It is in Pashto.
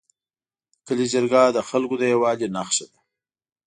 د کلي جرګه د خلکو د یووالي نښه ده.